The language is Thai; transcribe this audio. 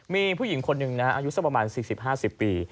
มีผู้หญิงคนหนึ่งนะฮะอายุสักประมาณ๔๐๕๐ปี